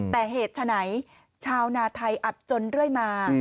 แต่เหตุฉะไหนชาวนาไทยอับจนเรื่อยมา